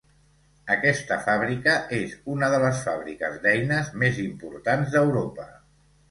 Aquesta fàbrica és una de les fàbriques d'eines més importants d'Europa.